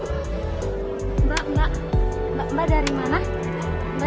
enggak enggak mbak dari mana mana